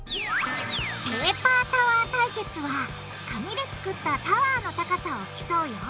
ペーパータワー対決は紙で作ったタワーの高さを競うよ